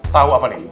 tahu apa nih